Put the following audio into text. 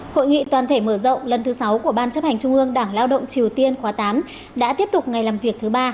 hội nghị toàn thể mở rộng lần thứ sáu của ban chấp hành trung ương đảng lao động triều tiên khóa tám đã tiếp tục ngày làm việc thứ ba